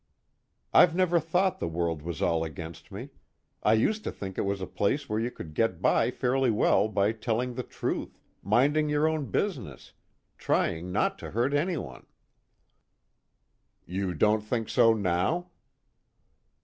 "I've never thought the world was all against me. I used to think it was a place where you could get by fairly well by telling the truth, minding your own business, trying not to hurt anyone." "You don't think so now?"